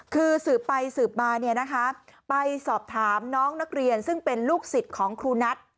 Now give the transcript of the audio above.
คือสืบไปสืบมาไปสอบถามน้องนักเรียนซึ่งเป็นลูกศิษย์ของครูนัท